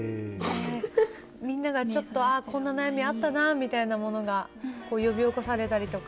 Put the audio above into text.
みんながちょっと、こんな悩みあったなみたいな、呼び起されたりとか。